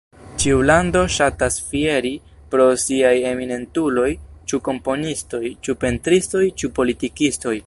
Ĉiu lando ŝatas fieri pro siaj eminentuloj, ĉu komponistoj, ĉu pentristoj, ĉu politikistoj...